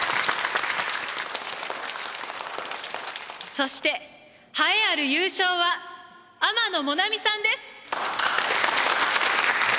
そして栄えある優勝は天野もなみさんです。